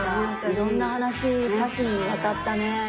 いろんな話多岐にわたったね。